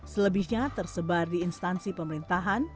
selebihnya tersebar di instansi pemerintahan